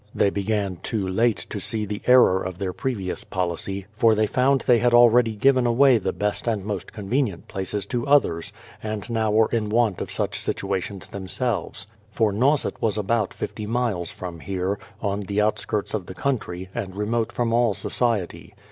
They began too late to see the error of their previous policy, for they found they had already given away the best and most convenient places to others, and now were in want of 326 THE PLYIMOUTH SETTLEMENT 827 such situations themselves; for Nauset was about 50 miles from here, on the outskirts of the country, and remote from all society.